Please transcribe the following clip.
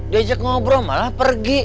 diajak ngobrol malah pergi